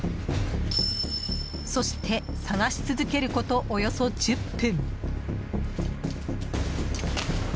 そして、探し続けることおよそ１０分。